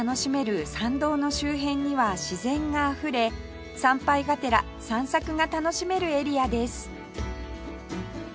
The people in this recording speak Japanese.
参道の周辺には自然があふれ参拝がてら散策が楽しめるエリアです